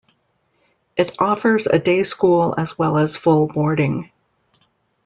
It offers a day school as well as full boarding.